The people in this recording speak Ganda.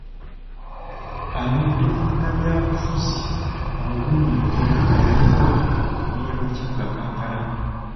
Abadde munnabyabufuzi omugundiivu era nga yaliko mmeeya w'ekibuga Kampala.